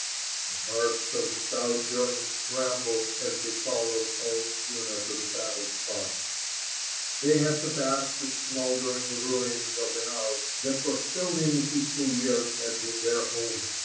The hearts of the stout Germans trembled as they followed old Juno to the fatal spot. They had to p^s the smouldering ruins of the house that for so many peaceful years had been their home.